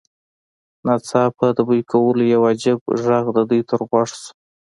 ناڅاپه د بوی کولو یو عجیب غږ د دوی تر غوږ شو